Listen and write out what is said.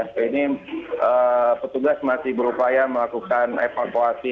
sampai ini petugas masih berupaya melakukan evakuasi